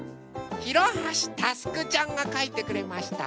ひろはしたすくちゃんがかいてくれました。